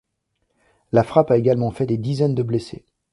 La frappe a également fait des dizaines de blessés.